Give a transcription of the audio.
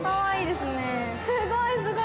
すごいすごい。